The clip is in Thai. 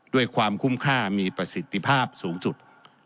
ด้วยความคุ้มค่ามีประสิทธิภาพสูงสุด